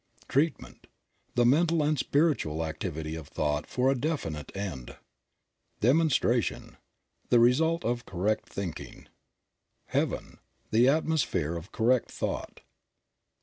Treatment. — The mental and spiritual activity of thought for a definite end. Demonstration. — The result of correct thinking. Heaven. — The atmosphere of correct thought.